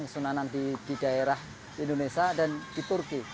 pensunanan di daerah indonesia dan di turki